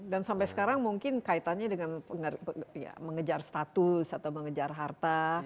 dan sampai sekarang mungkin kaitannya dengan mengejar status atau mengejar harta